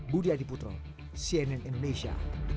budi adiputro cnn indonesia